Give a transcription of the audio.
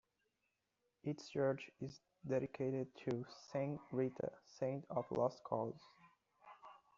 Its church is dedicated to Saint Rita, saint of lost causes.